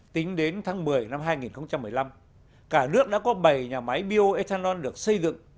tính đến tháng một mươi năm hai nghìn một mươi năm cả nước đã có bảy nhà máy bio ethanol được xây dựng